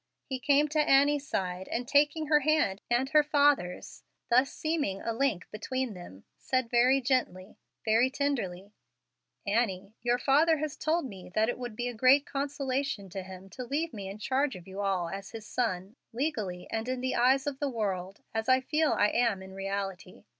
He came to Annie's side, and taking her hand and her father's, thus seeming a link between them, said very gently, very tenderly, "Annie, your father has told me that it would be a great consolation to him to leave me in charge of you all as his son, legally and in the eyes of the world, as I feel I am in reality.